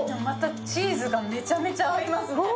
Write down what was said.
チーズがめちゃくちゃ合いますね。